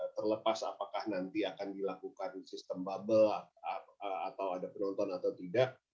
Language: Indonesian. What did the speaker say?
terlepas apakah nanti akan dilakukan sistem bubble atau ada penonton atau tidak